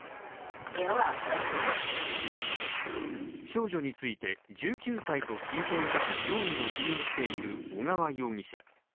少女について、１９歳と聞いていたと容疑を否認している小川容疑者。